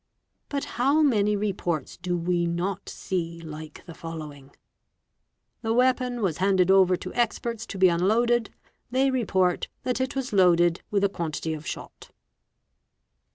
Bi how many reports do we not see like the following ?—'' The weapon' we handed over to experts to be unloaded ; they report that it was loaded wit a quantity of shot."